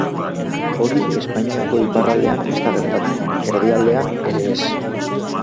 Hori Espainiako iparraldean ez da gertatzen, erdialdean ere ez.